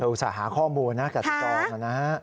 ไปอุตส่าหาข้อมูลนะจัดตอบมานะ